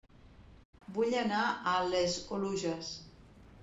Vull anar a Les Oluges